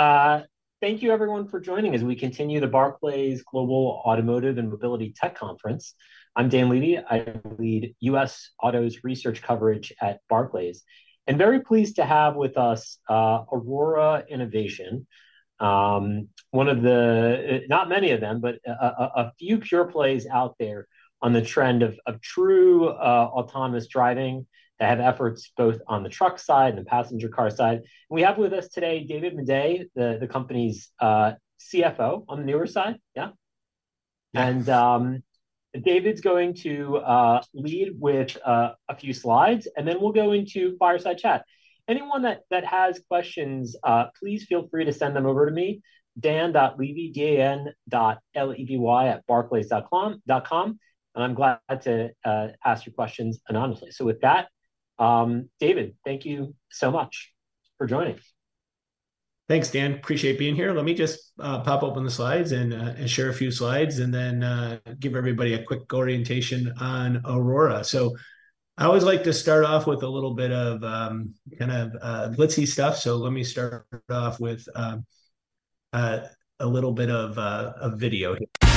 Great. Thank you, everyone, for joining as we continue the Barclays Global Automotive and Mobility Tech Conference. I'm Dan Levy. I lead U.S. Autos research coverage at Barclays, and very pleased to have with us, Aurora Innovation. One of the, not many of them, but a few pure plays out there on the trend of true, autonomous driving. They have efforts both on the truck side and the passenger car side. We have with us today David Maday, the company's CFO on the newer side. Yeah? Yes. David's going to lead with a few slides, and then we'll go into fireside chat. Anyone that has questions, please feel free to send them over to me, Dan Levy, dan.levy@barclays.com, and I'm glad to ask your questions anonymously. With that, David, thank you so much for joining. Thanks, Dan. Appreciate being here. Let me just pop open the slides and share a few slides, and then give everybody a quick orientation on Aurora. So I always like to start off with a little bit of kind of glitzy stuff. So let me start off with a little bit of a video. All right,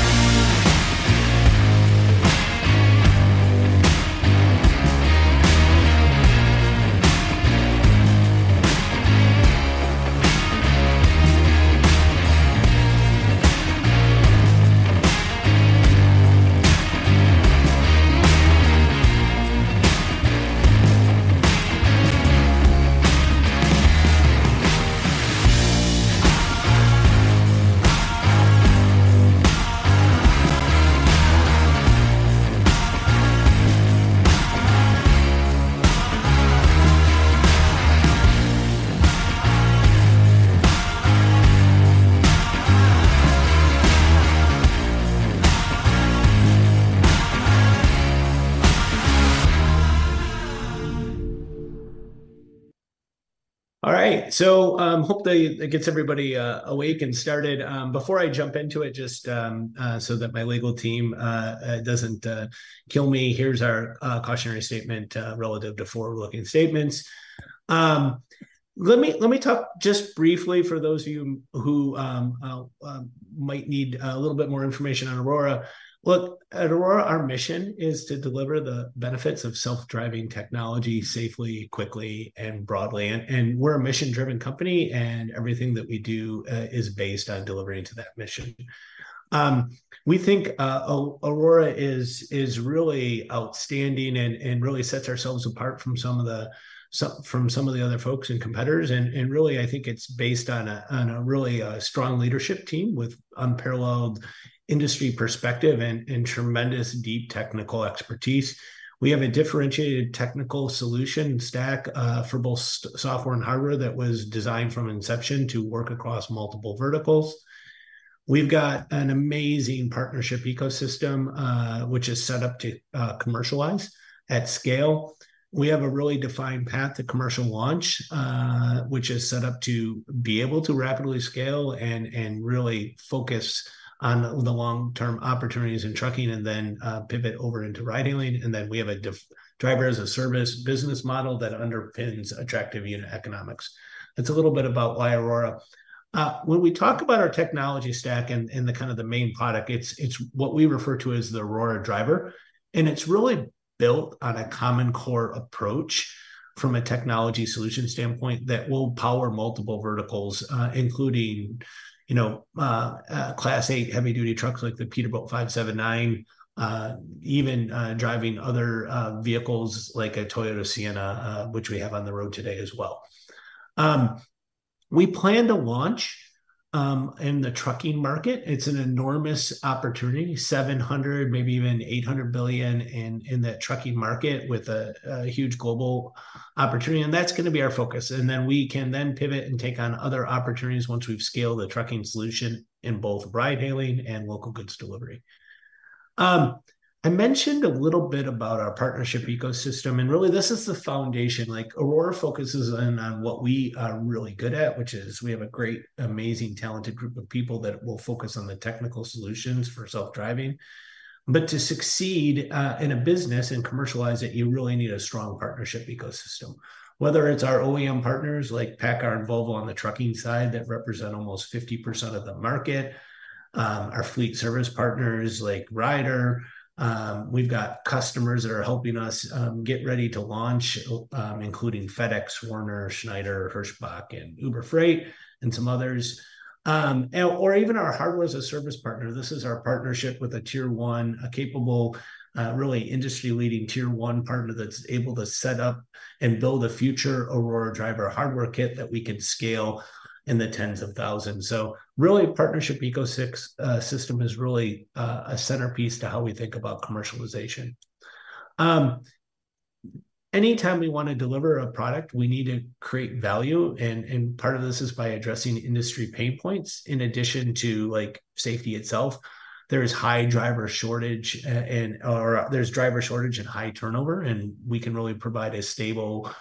so hope that gets everybody awake and started. Before I jump into it, just so that my legal team doesn't kill me, here's our cautionary statement relative to forward-looking statements. Let me talk just briefly, for those of you who might need a little bit more information on Aurora. Look, at Aurora, our mission is to deliver the benefits of self-driving technology safely, quickly, and broadly. We're a mission-driven company, and everything that we do is based on delivering to that mission. We think Aurora is really outstanding and really sets ourselves apart from some of the other folks and competitors. Really, I think it's based on a really strong leadership team with unparalleled industry perspective and tremendous deep technical expertise. We have a differentiated technical solution stack for both software and hardware that was designed from inception to work across multiple verticals. We've got an amazing partnership ecosystem which is set up to commercialize at scale. We have a really defined path to commercial launch which is set up to be able to rapidly scale and really focus on the long-term opportunities in trucking, and then pivot over into ride-hailing. And then we have a driver-as-a-service business model that underpins attractive unit economics. That's a little bit about why Aurora. When we talk about our technology stack and the kind of the main product, it's what we refer to as the Aurora Driver, and it's really built on a common core approach from a technology solution standpoint that will power multiple verticals, including, you know, Class 8 heavy-duty trucks like the Peterbilt 579. Even driving other vehicles like a Toyota Sienna, which we have on the road today as well. We plan to launch in the trucking market. It's an enormous opportunity, $700 billion, maybe even $800 billion in that trucking market with a huge global opportunity, and that's gonna be our focus. And then we can then pivot and take on other opportunities once we've scaled the trucking solution in both ride-hailing and local goods delivery. I mentioned a little bit about our partnership ecosystem, and really, this is the foundation. Like, Aurora focuses in on what we are really good at, which is we have a great, amazing, talented group of people that will focus on the technical solutions for self-driving. But to succeed in a business and commercialize it, you really need a strong partnership ecosystem. Whether it's our OEM partners like PACCAR and Volvo on the trucking side, that represent almost 50% of the market, our fleet service partners like Ryder. We've got customers that are helping us get ready to launch, including FedEx, Werner, Schneider, Hirschbach, and Uber Freight, and some others. And or even our hardware-as-a-service partner. This is our partnership with a Tier 1, a capable, really industry-leading Tier 1 partner that's able to set up and build a future Aurora Driver hardware kit that we can scale in the tens of thousands. So really, partnership ecosystem, system is really, a centerpiece to how we think about commercialization. Anytime we want to deliver a product, we need to create value, and, and part of this is by addressing industry pain points. In addition to, like, safety itself, there is high driver shortage, and, or there's driver shortage and high turnover, and we can really provide a stable,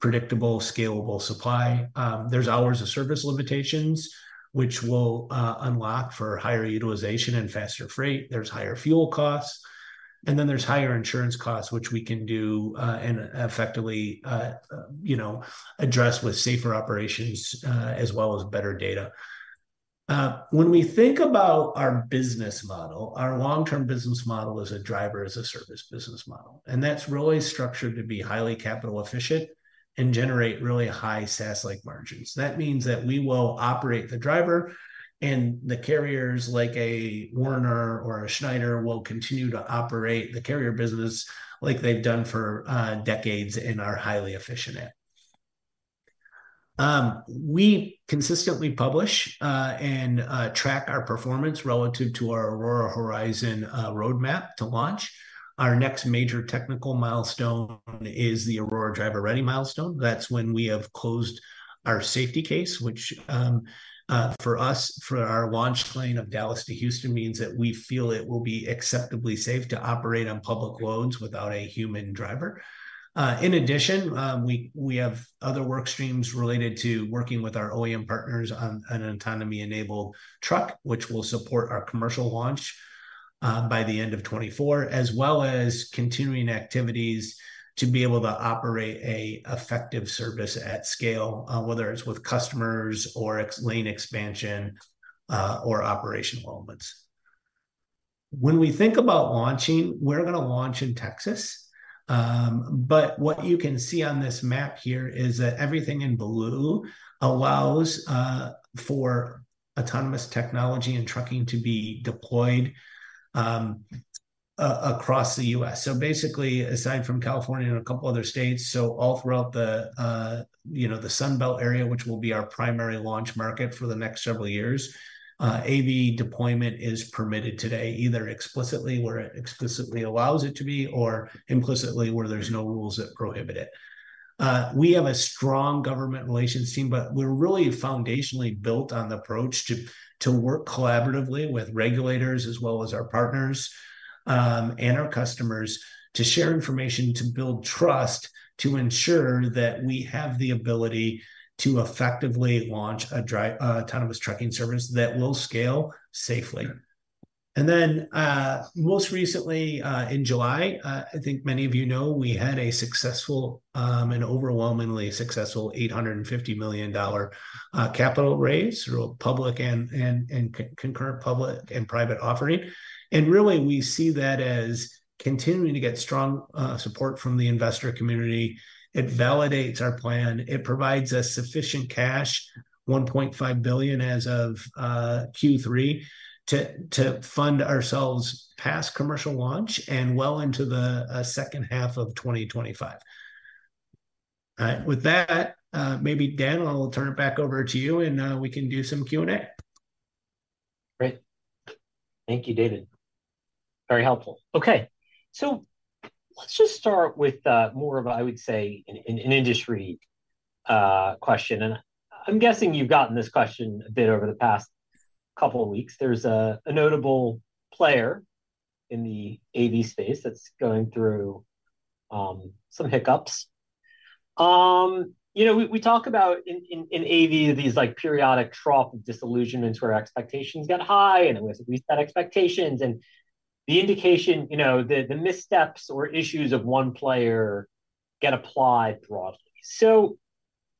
predictable, scalable supply. There's Hours of Service limitations which will unlock for higher utilization and faster freight. There's higher fuel costs. And then there's higher insurance costs, which we can do, and effectively, you know, address with safer operations, as well as better data. When we think about our business model, our long-term business model is a driver-as-a-service business model, and that's really structured to be highly capital efficient and generate really high SaaS-like margins. That means that we will operate the driver, and the carriers, like a Werner or a Schneider, will continue to operate the carrier business like they've done for, decades and are highly efficient at. We consistently publish and track our performance relative to our Aurora Horizon roadmap to launch. Our next major technical milestone is the Aurora Driver Ready milestone. That's when we have closed our Safety Case, which, for us, for our launch lane of Dallas to Houston, means that we feel it will be acceptably safe to operate on public roads without a human driver. In addition, we have other work streams related to working with our OEM partners on an autonomy-enabled truck, which will support our commercial launch by the end of 2024, as well as continuing activities to be able to operate a effective service at scale, whether it's with customers or ex- lane expansion or operational moments. When we think about launching, we're gonna launch in Texas. But what you can see on this map here is that everything in blue allows for autonomous technology and trucking to be deployed across the U.S. So basically, aside from California and a couple other states, so all throughout the, you know, the Sun Belt area, which will be our primary launch market for the next several years, AV deployment is permitted today, either explicitly where it explicitly allows it to be, or implicitly where there's no rules that prohibit it. We have a strong government relations team, but we're really foundationally built on the approach to work collaboratively with regulators as well as our partners, and our customers to share information, to build trust, to ensure that we have the ability to effectively launch a autonomous trucking service that will scale safely. Then, most recently, in July, I think many of you know, we had a successful, an overwhelmingly successful $850 million capital raise through a concurrent public and private offering. And really, we see that as continuing to get strong support from the investor community. It validates our plan. It provides us sufficient cash, $1.5 billion as of Q3, to fund ourselves past commercial launch and well into the second half of 2025. With that, maybe, Dan, I'll turn it back over to you, and we can do some Q&A. Great. Thank you, David. Very helpful. Okay, so let's just start with more of a, I would say, an industry question, and I'm guessing you've gotten this question a bit over the past couple of weeks. There's a notable player in the AV space that's going through some hiccups. You know, we talk about in AV, these like periodic Trough of disillusionment where expectations get high, and it was we set expectations and the indication, you know, the missteps or issues of one player get applied broadly. So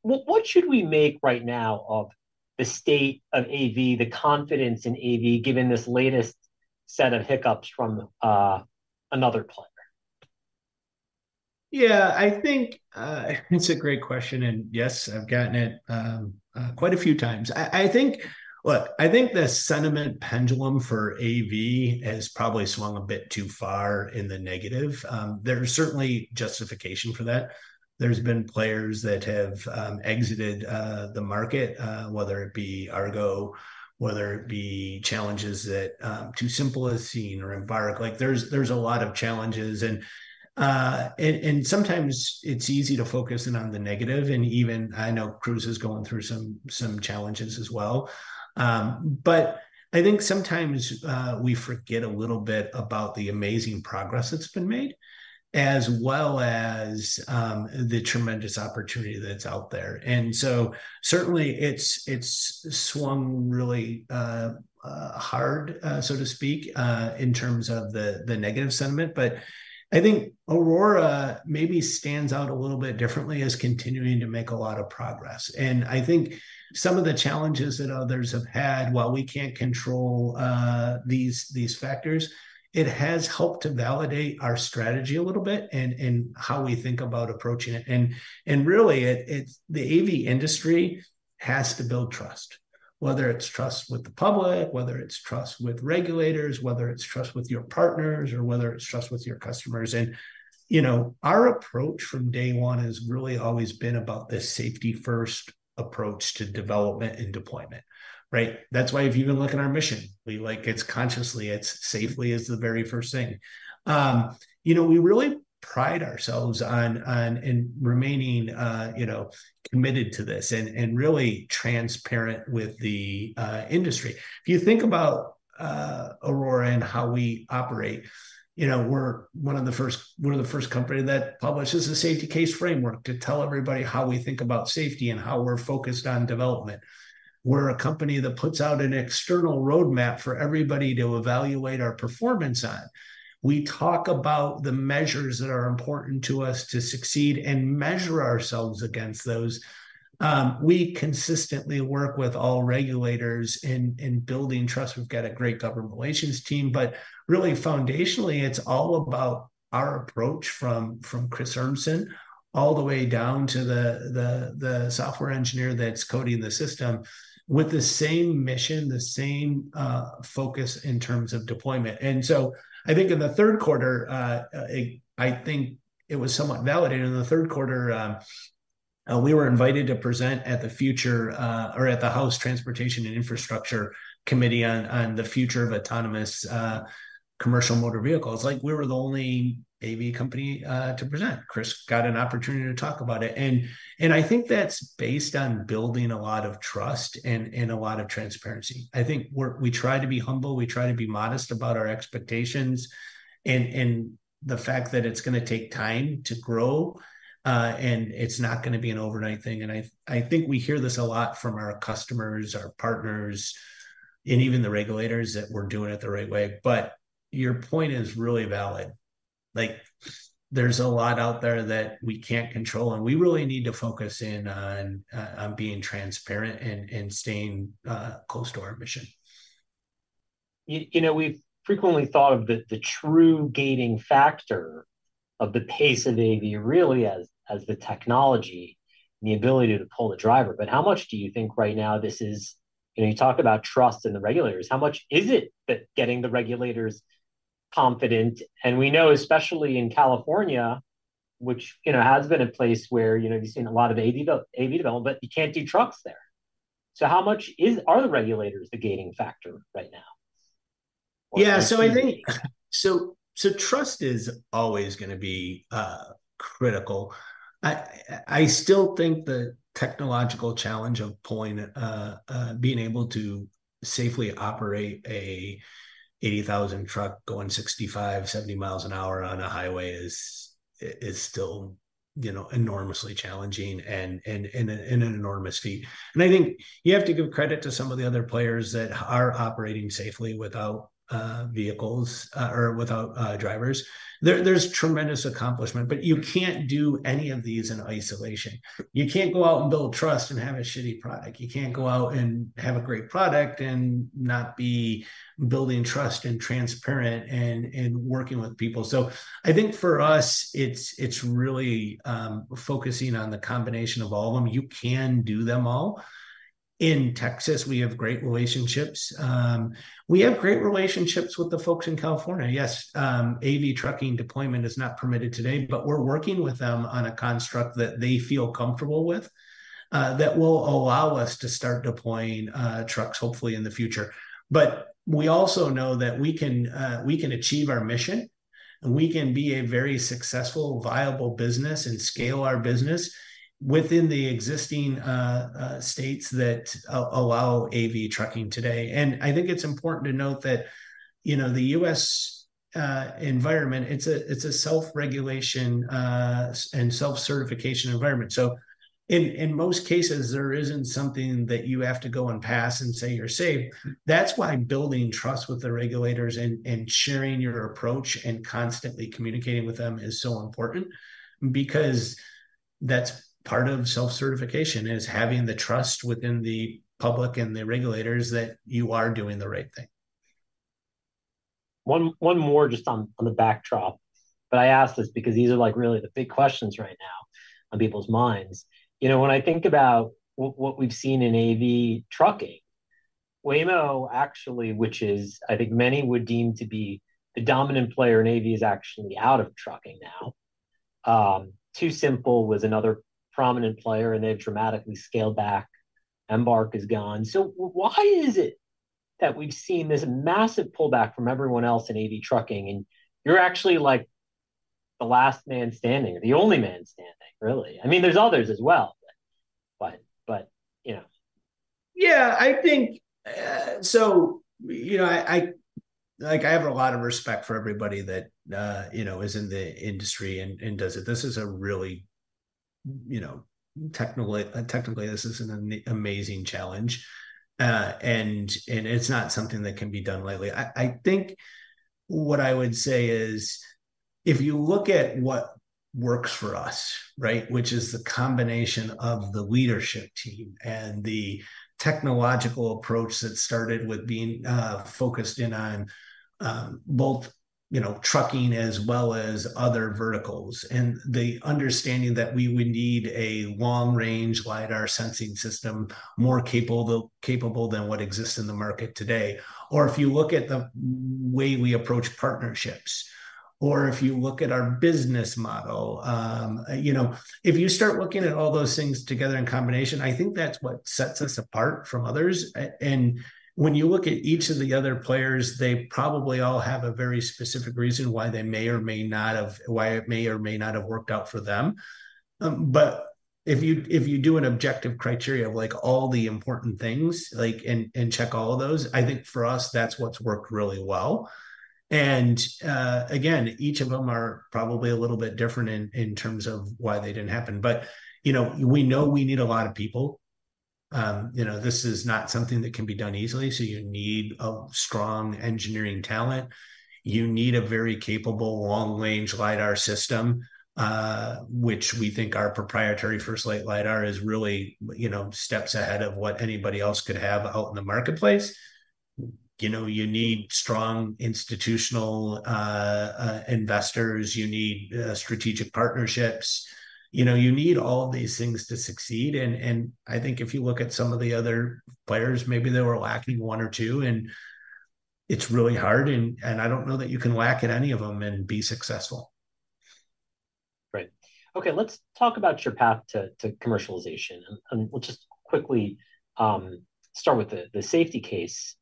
what should we make right now of the state of AV, the confidence in AV, given this latest set of hiccups from another player? Yeah, I think it's a great question, and yes, I've gotten it quite a few times. Look, I think the sentiment pendulum for AV has probably swung a bit too far in the negative. There's certainly justification for that. There's been players that have exited the market, whether it be Argo, whether it be challenges that TuSimple has seen or Embark. Like, there's a lot of challenges, and sometimes it's easy to focus in on the negative, and even I know Cruise is going through some challenges as well. But I think sometimes we forget a little bit about the amazing progress that's been made, as well as the tremendous opportunity that's out there. And so certainly it's swung really hard, so to speak, in terms of the negative sentiment. But I think Aurora maybe stands out a little bit differently as continuing to make a lot of progress. And I think some of the challenges that others have had, while we can't control these factors, it has helped to validate our strategy a little bit and how we think about approaching it. And really, the AV industry has to build trust, whether it's trust with the public, whether it's trust with regulators, whether it's trust with your partners, or whether it's trust with your customers. And, you know, our approach from day one has really always been about the safety-first approach to development and deployment, right? That's why if you even look at our mission, we, like, it's consciously, it's safely is the very first thing. You know, we really pride ourselves on remaining, you know, committed to this, and really transparent with the industry. If you think about Aurora and how we operate, you know, we're the first company that publishes a Safety Case framework to tell everybody how we think about safety and how we're focused on development. We're a company that puts out an external roadmap for everybody to evaluate our performance on. We talk about the measures that are important to us to succeed and measure ourselves against those. We consistently work with all regulators in building trust. We've got a great government relations team, but really foundationally, it's all about our approach from Chris Urmson all the way down to the software engineer that's coding the system with the same mission, the same focus in terms of deployment. And so I think in the third quarter, I think it was somewhat validated. In the third quarter, we were invited to present at the future or at the House Transportation and Infrastructure Committee on the future of autonomous commercial motor vehicles. Like, we were the only AV company to present. Chris got an opportunity to talk about it, and I think that's based on building a lot of trust and a lot of transparency. I think we try to be humble, we try to be modest about our expectations, and the fact that it's gonna take time to grow, and it's not gonna be an overnight thing. I think we hear this a lot from our customers, our partners, and even the regulators, that we're doing it the right way. But your point is really valid. Like, there's a lot out there that we can't control, and we really need to focus in on being transparent and staying close to our mission. You know, we've frequently thought of the true gaining factor of the pace of AV really as the technology and the ability to pull the driver. But how much do you think right now this is... You know, you talk about trust in the regulators. How much is it that getting the regulators confident? And we know, especially in California, which, you know, has been a place where, you know, you've seen a lot of AV development, you can't do trucks there. So how much are the regulators the gaining factor right now? Yeah. So I think so trust is always gonna be critical. I still think the technological challenge of being able to safely operate a 80,000 truck going 65-70 miles an hour on a highway is still, you know, enormously challenging and an enormous feat. And I think you have to give credit to some of the other players that are operating safely without vehicles or without drivers. There's tremendous accomplishment, but you can't do any of these in isolation. You can't go out and build trust and have a shitty product. You can't go out and have a great product and not be building trust and transparent and working with people. So I think for us, it's really focusing on the combination of all of them. You can do them all. In Texas, we have great relationships. We have great relationships with the folks in California. Yes, AV trucking deployment is not permitted today, but we're working with them on a construct that they feel comfortable with, that will allow us to start deploying trucks hopefully in the future. But we also know that we can achieve our mission, and we can be a very successful, viable business and scale our business within the existing states that allow AV trucking today. And I think it's important to note that, you know, the U.S. environment, it's a self-regulation and self-certification environment. So in most cases, there isn't something that you have to go and pass and say you're safe. That's why building trust with the regulators and sharing your approach and constantly communicating with them is so important, because that's part of self-certification, is having the trust within the public and the regulators that you are doing the right thing. One more just on the backdrop, but I ask this because these are, like, really the big questions right now on people's minds. You know, when I think about what we've seen in AV trucking, Waymo actually, which is, I think many would deem to be the dominant player in AV, is actually out of trucking now. TuSimple was another prominent player, and they've dramatically scaled back. Embark is gone. So why is it that we've seen this massive pullback from everyone else in AV trucking, and you're actually, like, the last man standing, or the only man standing, really? I mean, there's others as well, but you know. Yeah, I think, so you know, like, I have a lot of respect for everybody that, you know, is in the industry and does it. This is a really, you know, technically amazing challenge. And it's not something that can be done lightly. I think what I would say is, if you look at what works for us, right, which is the combination of the leadership team and the technological approach that started with being focused in on both, you know, trucking as well as other verticals, and the understanding that we would need a long-range lidar sensing system, more capable than what exists in the market today, or if you look at the way we approach partnerships, or if you look at our business model. You know, if you start looking at all those things together in combination, I think that's what sets us apart from others. And when you look at each of the other players, they probably all have a very specific reason why they may or may not have, why it may or may not have worked out for them. But if you do an objective criteria of, like, all the important things, like, and check all of those, I think for us, that's what's worked really well. And again, each of them are probably a little bit different in terms of why they didn't happen. But you know, we know we need a lot of people. You know, this is not something that can be done easily, so you need a strong engineering talent. You need a very capable long-range LiDAR system, which we think our proprietary FirstLight Lidar is really, you know, steps ahead of what anybody else could have out in the marketplace. You know, you need strong institutional investors, you need strategic partnerships. You know, you need all of these things to succeed, and I think if you look at some of the other players, maybe they were lacking one or two, and it's really hard, and I don't know that you can lack at any of them and be successful. Right. Okay, let's talk about your path to commercialization. And we'll just quickly start with the Safety Case.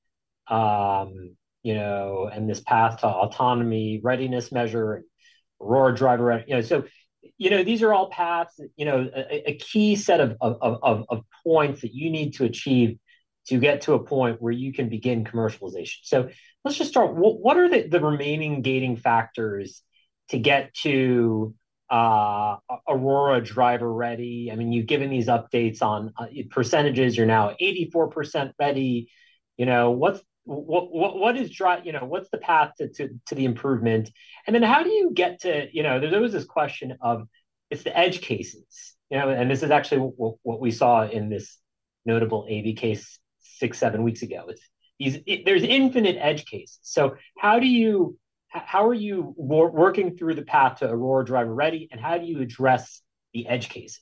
You know, and this path to Autonomy Readiness Measure, Aurora Driver, you know, so, you know, these are all paths, you know, a key set of points that you need to achieve to get to a point where you can begin commercialization. So let's just start. What are the remaining gating factors to get to Aurora Driver Ready? I mean, you've given these updates on percentages. You're now 84% ready. You know, what's the path to the improvement? Then how do you get to, you know, there's always this question of, it's the edge cases, you know, and this is actually what we saw in this notable AV case six-seven weeks ago. It's, there's infinite edge cases. So how are you working through the path to Aurora Driver Ready, and how do you address the edge case?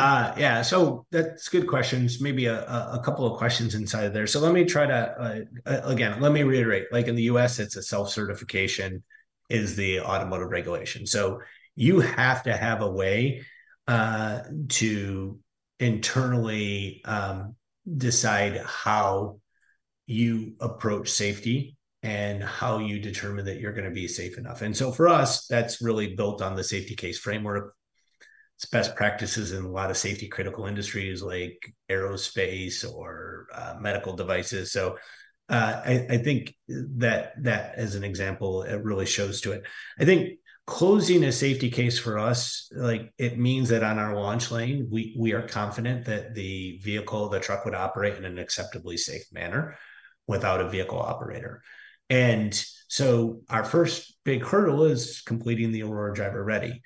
Yeah, so that's good questions. Maybe a couple of questions inside of there. So let me try to, again, let me reiterate. Like in the U.S., it's a self-certification is the automotive regulation. So you have to have a way to internally decide how you approach safety and how you determine that you're gonna be safe enough. And so for us, that's really built on the Safety Case framework. It's best practices in a lot of safety-critical industries like aerospace or medical devices. So I think that as an example, it really shows to it. I think closing a Safety Case for us, like, it means that on our launch lane, we are confident that the vehicle, the truck, would operate in an acceptably safe manner without a vehicle operator. Our first big hurdle is completing the Aurora Driver Ready.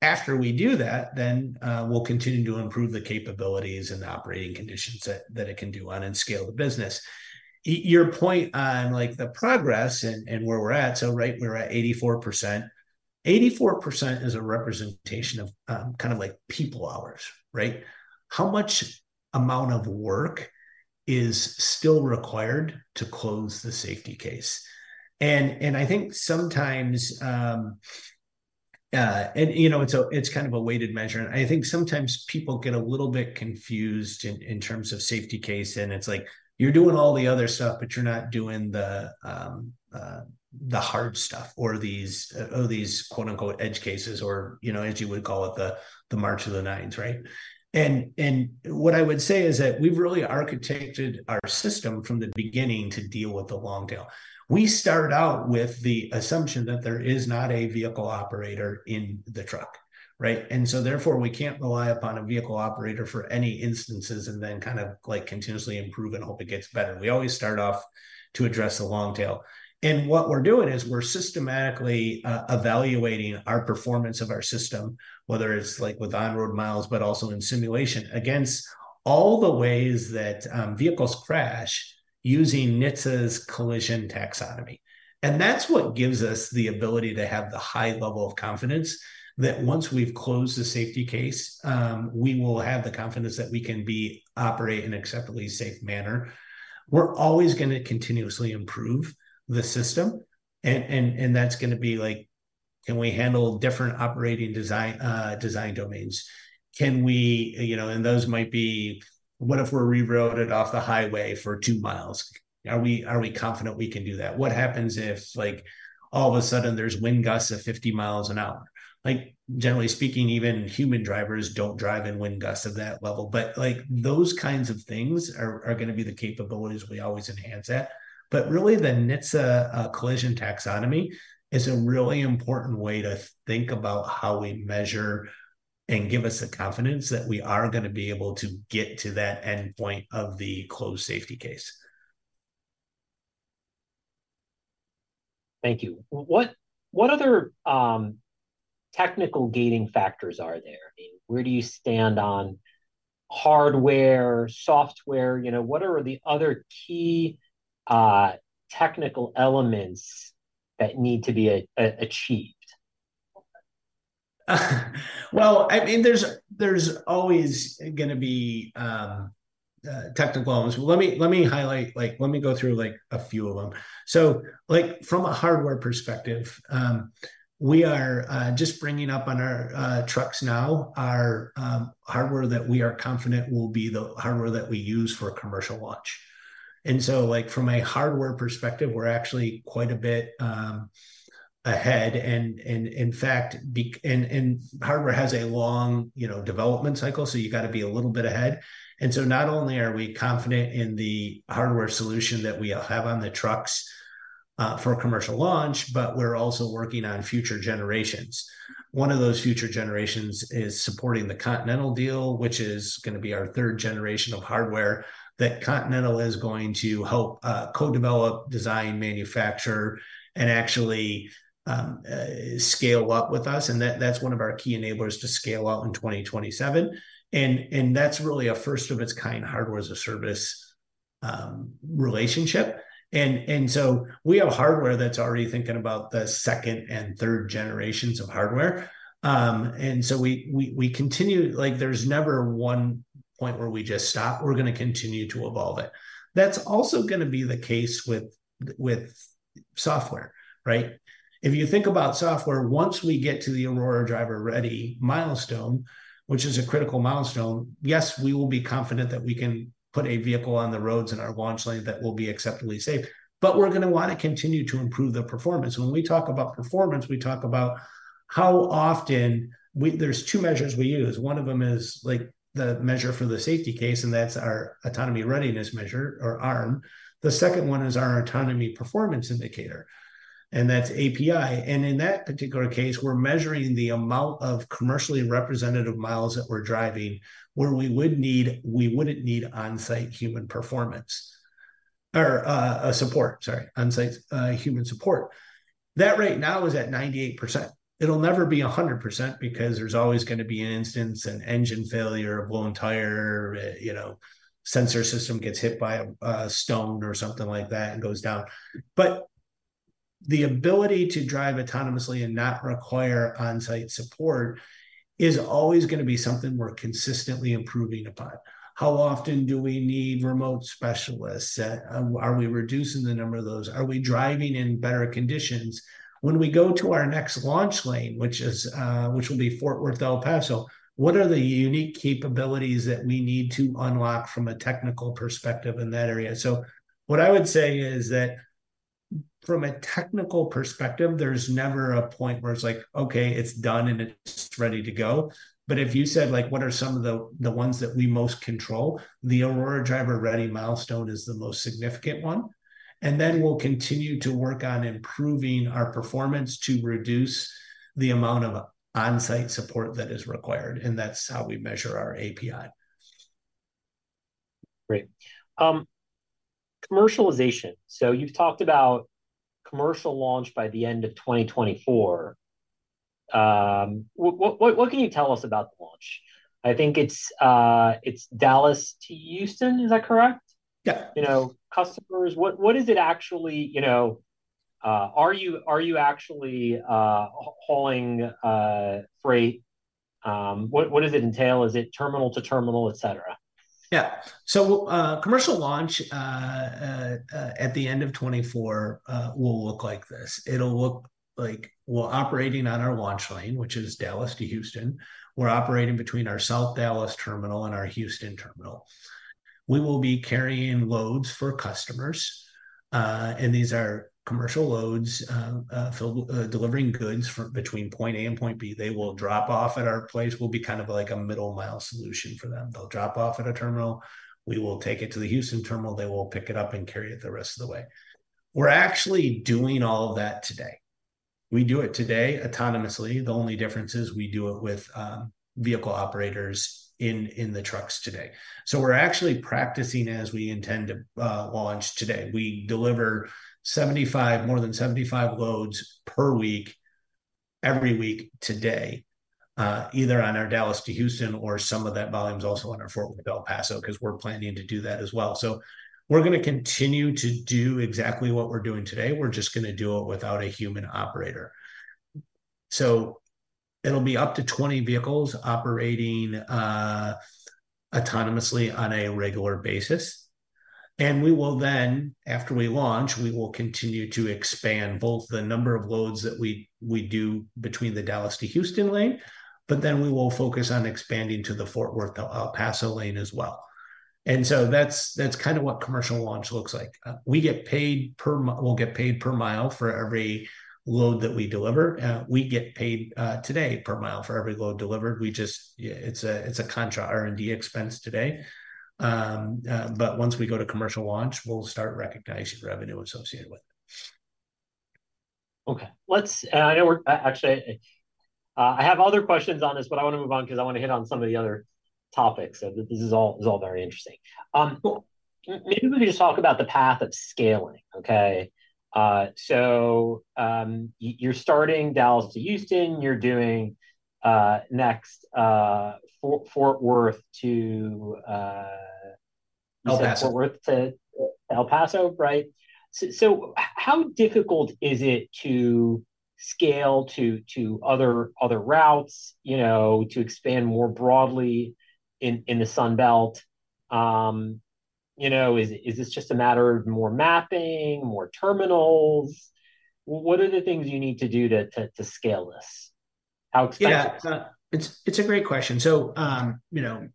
After we do that, then we'll continue to improve the capabilities and the operating conditions that it can do on and scale the business. Your point on, like, the progress and where we're at, so right, we're at 84%. 84% is a representation of kind of like people hours, right? How much amount of work is still required to close the Safety Case? I think sometimes, you know, it's kind of a weighted measure, and I think sometimes people get a little bit confused in terms of Safety Case, and it's like you're doing all the other stuff, but you're not doing the hard stuff or these, quote-unquote, "edge cases," or, you know, as you would call it, the march of the nines, right? And what I would say is that we've really architected our system from the beginning to deal with the long tail. We started out with the assumption that there is not a vehicle operator in the truck, right? And so therefore, we can't rely upon a vehicle operator for any instances and then kind of, like, continuously improve and hope it gets better. We always start off to address the long tail. What we're doing is we're systematically evaluating our performance of our system, whether it's like with on-road miles, but also in simulation, against all the ways that vehicles crash using NHTSA's Collision Taxonomy. And that's what gives us the ability to have the high level of confidence that once we've closed the Safety Case, we will have the confidence that we can operate in an acceptably safe manner. We're always gonna continuously improve the system, and that's gonna be like: Can we handle different operating design domains? Can we? You know, and those might be, what if we're rerouted off the highway for two miles? Are we confident we can do that? What happens if, like, all of a sudden there's wind gusts of 50 miles an hour? Like, generally speaking, even human drivers don't drive in wind gusts of that level. But, like, those kinds of things are gonna be the capabilities we always enhance at. But really, the NHTSA Collision Taxonomy is a really important way to think about how we measure and give us the confidence that we are gonna be able to get to that endpoint of the closed Safety Case. Thank you. What, what other technical gating factors are there? I mean, where do you stand on hardware, software, you know, what are the other key technical elements that need to be achieved? Well, I mean, there's always gonna be technical problems. Well, let me highlight, like, let me go through, like, a few of them. So, like, from a hardware perspective, we are just bringing up on our trucks now our hardware that we are confident will be the hardware that we use for a commercial launch. And so, like, from a hardware perspective, we're actually quite a bit ahead, and in fact, hardware has a long, you know, development cycle, so you've gotta be a little bit ahead. And so not only are we confident in the hardware solution that we have on the trucks for a commercial launch, but we're also working on future generations. One of those future generations is supporting the Continental deal, which is gonna be our third generation of hardware that Continental is going to help co-develop, design, manufacture, and actually scale up with us, and that's one of our key enablers to scale out in 2027. And that's really a first-of-its-kind hardware as a service relationship. And so we have hardware that's already thinking about the second and third generations of hardware. And so we continue, like, there's never one point where we just stop. We're gonna continue to evolve it. That's also gonna be the case with software, right? If you think about software, once we get to the Aurora Driver Ready milestone, which is a critical milestone, yes, we will be confident that we can put a vehicle on the roads in our launch lane that will be acceptably safe, but we're gonna wanna continue to improve the performance. When we talk about performance, we talk about how often there's two measures we use. One of them is, like, the measure for the Safety Case, and that's our Autonomy Readiness Measure, or ARM. The second one is our Autonomy Performance Indicator, and that's API. And in that particular case, we're measuring the amount of commercially representative miles that we're driving, where we wouldn't need on-site human performance, or support, on-site human support. That rate now is at 98%. It'll never be 100% because there's always gonna be an instance, an engine failure, a blown tire, you know, sensor system gets hit by a stone or something like that and goes down. But the ability to drive autonomously and not require on-site support is always gonna be something we're consistently improving upon. How often do we need remote specialists? Are we reducing the number of those? Are we driving in better conditions? When we go to our next launch lane, which is, which will be Fort Worth to El Paso, what are the unique capabilities that we need to unlock from a technical perspective in that area? So what I would say is that from a technical perspective, there's never a point where it's like, "Okay, it's done, and it's ready to go." But if you said, like, "What are some of the, the ones that we most control?" The Aurora Driver Ready milestone is the most significant one, and then we'll continue to work on improving our performance to reduce the amount of on-site support that is required, and that's how we measure our API. Great. Commercialization. So you've talked about commercial launch by the end of 2024. What, what, what can you tell us about the launch? I think it's, it's Dallas to Houston, is that correct? Yeah. You know, customers, what, what is it actually, you know? Are you, are you actually hauling freight? What, what does it entail? Is it terminal to terminal, etc? Yeah. So, commercial launch at the end of 2024 will look like this: it'll look like we're operating on our launch lane, which is Dallas to Houston. We're operating between our South Dallas terminal and our Houston terminal. We will be carrying loads for customers, and these are commercial loads, so, delivering goods from between point A and point B. They will drop off at our place. We'll be kind of like a middle-mile solution for them. They'll drop off at a terminal, we will take it to the Houston terminal, they will pick it up and carry it the rest of the way. We're actually doing all of that today. We do it today autonomously. The only difference is we do it with vehicle operators in the trucks today. So we're actually practicing as we intend to launch today. We deliver 75, more than 75 loads per week, every week today, either on our Dallas to Houston or some of that volume is also on our Fort Worth to El Paso, 'cause we're planning to do that as well. So we're gonna continue to do exactly what we're doing today. We're just gonna do it without a human operator. So it'll be up to 20 vehicles operating autonomously on a regular basis, and we will then, after we launch, we will continue to expand both the number of loads that we, we do between the Dallas to Houston lane, but then we will focus on expanding to the Fort Worth to El Paso lane as well. And so that's, that's kind of what commercial launch looks like. We'll get paid per mile for every load that we deliver. We get paid today per mile for every load delivered. We just. It's a, it's a contra R&D expense today. But once we go to commercial launch, we'll start recognizing revenue associated with it. Okay, let's, I know we're actually, I have other questions on this, but I wanna move on, cause I wanna hit on some of the other topics. So this is all, this is all very interesting. Maybe we can just talk about the path of scaling, okay? So, you're starting Dallas to Houston, you're doing next, Fort Worth to El Paso, right? So, how difficult is it to scale to other routes, you know, to expand more broadly in the Sun Belt? You know, is this just a matter of more mapping, more terminals? What are the things you need to do to scale this? How expensive? Yeah, it's a great question. So, you know,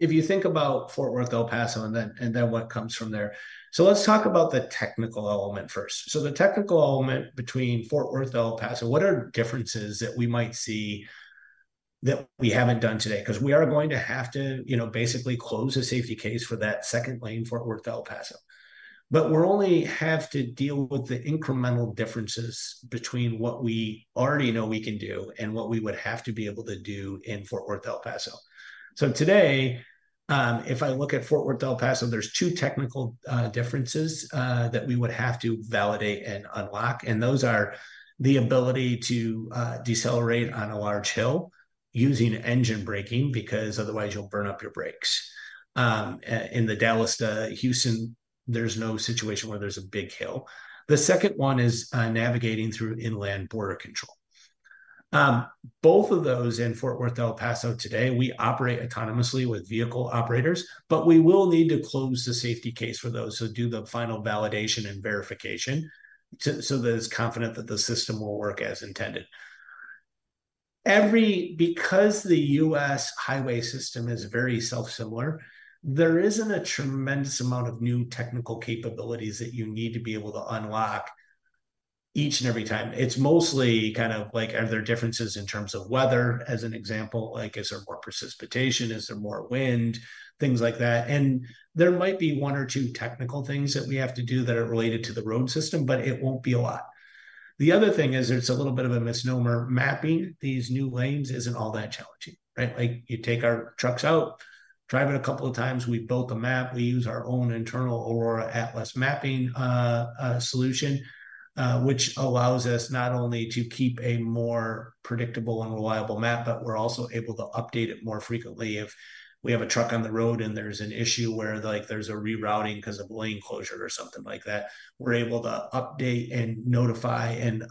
if you think about Fort Worth to El Paso, and then what comes from there. So let's talk about the technical element first. So the technical element between Fort Worth to El Paso, what are differences that we might see that we haven't done today? 'Cause we are going to have to, you know, basically close the Safety Case for that second lane, Fort Worth to El Paso. But we're only have to deal with the incremental differences between what we already know we can do and what we would have to be able to do in Fort Worth to El Paso. So today, if I look at Fort Worth to El Paso, there's two technical differences that we would have to validate and unlock, and those are the ability to decelerate on a large hill using engine braking, because otherwise you'll burn up your brakes. In the Dallas to Houston, there's no situation where there's a big hill. The second one is navigating through inland border control. Both of those in Fort Worth to El Paso today, we operate autonomously with vehicle operators, but we will need to close the Safety Case for those. So do the final validation and verification, so that it's confident that the system will work as intended. Because the U.S. highway system is very self-similar, there isn't a tremendous amount of new technical capabilities that you need to be able to unlock each and every time. It's mostly kind of like, are there differences in terms of weather, as an example? Like, is there more precipitation? Is there more wind? Things like that. There might be one or two technical things that we have to do that are related to the road system, but it won't be a lot. The other thing is, it's a little bit of a misnomer. Mapping these new lanes isn't all that challenging, right? Like, you take our trucks out, drive it a couple of times, we build a map. We use our own internal Aurora Atlas mapping solution, which allows us not only to keep a more predictable and reliable map, but we're also able to update it more frequently. If we have a truck on the road and there's an issue where, like, there's a rerouting 'cause of lane closure or something like that, we're able to update and notify and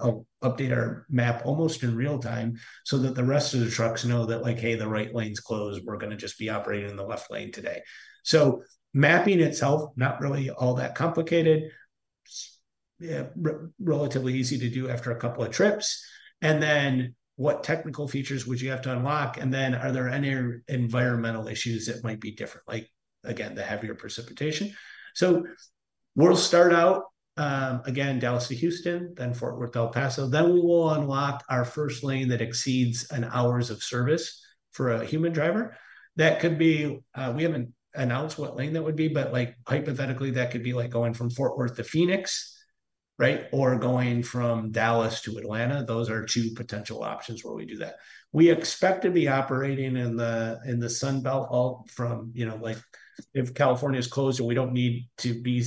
update our map almost in real time, so that the rest of the trucks know that, like, "Hey, the right lane's closed. We're gonna just be operating in the left lane today." So mapping itself, not really all that complicated. It's, yeah, relatively easy to do after a couple of trips. And then what technical features would you have to unlock? And then are there any environmental issues that might be different, like, again, the heavier precipitation. So we'll start out, again, Dallas to Houston, then Fort Worth to El Paso. Then we will unlock our first lane that exceeds an Hours of Service for a human driver. That could be. We haven't announced what lane that would be, but like, hypothetically, that could be like going from Fort Worth to Phoenix, right? Or going from Dallas to Atlanta. Those are two potential options where we do that. We expect to be operating in the Sun Belt all from, you know, like, if California is closed, we don't need to be.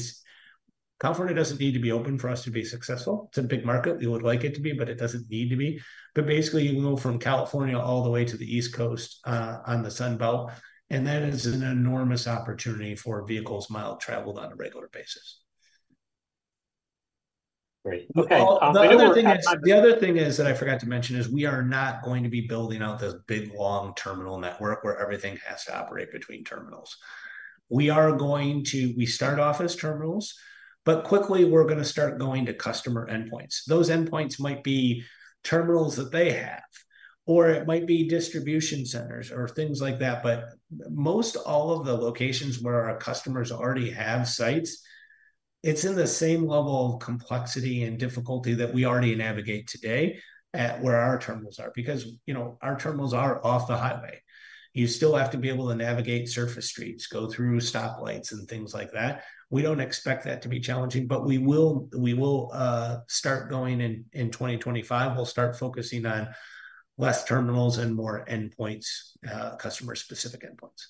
California doesn't need to be open for us to be successful. It's a big market. We would like it to be, but it doesn't need to be. But basically, you can go from California all the way to the East Coast on the Sun Belt, and that is an enormous opportunity for vehicles mile traveled on a regular basis. Great. Okay, another thing. The other thing is, that I forgot to mention, is we are not going to be building out this big, long terminal network where everything has to operate between terminals. We are going to start off as terminals, but quickly, we're gonna start going to customer endpoints. Those endpoints might be terminals that they have, or it might be distribution centers or things like that. But most all of the locations where our customers already have sites, it's in the same level of complexity and difficulty that we already navigate today at where our terminals are, because, you know, our terminals are off the highway. You still have to be able to navigate surface streets, go through stoplights, and things like that. We don't expect that to be challenging, but we will start going in, in 2025. We'll start focusing on less terminals and more endpoints, customer-specific endpoints.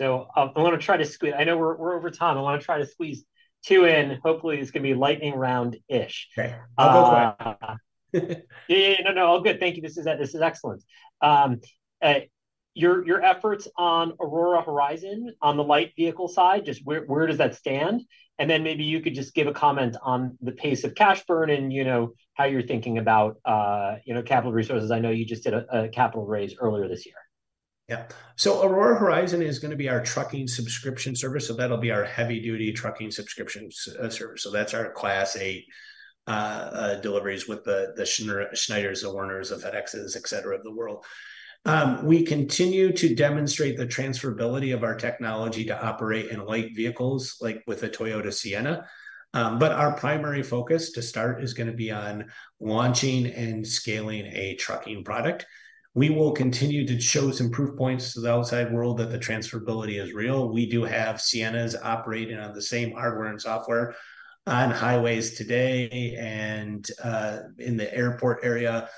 So I want to try to squeeze. I know we're over time. I want to try to squeeze two in. Hopefully, it's gonna be lightning round-ish. Okay. Uh. Yeah, yeah. No, no. All good. Thank you. This is, this is excellent. Your efforts on Aurora Horizon, on the light vehicle side, just where does that stand? And then maybe you could just give a comment on the pace of cash burn and, you know, how you're thinking about, you know, capital resources. I know you just did a capital raise earlier this year. Yeah. So Aurora Horizon is gonna be our trucking subscription service, so that'll be our heavy-duty trucking subscription service. So that's our Class 8 deliveries with the Schneiders, the Werners, the FedExes, et cetera, of the world. We continue to demonstrate the transferability of our technology to operate in light vehicles, like with a Toyota Sienna. But our primary focus to start is gonna be on launching and scaling a trucking product. We will continue to show some proof points to the outside world that the transferability is real. We do have Siennas operating on the same hardware and software on highways today and in the airport area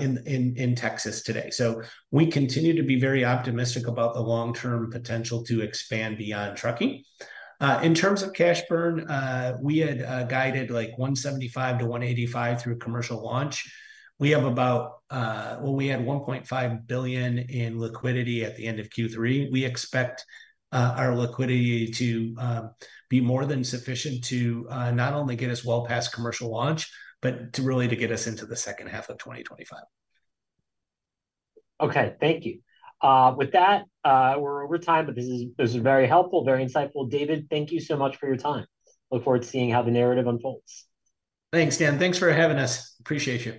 in Texas today. So we continue to be very optimistic about the long-term potential to expand beyond trucking. In terms of cash burn, we had guided, like, $175 million-$185 million through commercial launch. We have about. Well, we had $1.5 billion in liquidity at the end of Q3. We expect our liquidity to be more than sufficient to not only get us well past commercial launch, but to really to get us into the second half of 2025. Okay. Thank you. With that, we're over time, but this is, this is very helpful, very insightful. David, thank you so much for your time. Look forward to seeing how the narrative unfolds. Thanks, Dan. Thanks for having us. Appreciate you.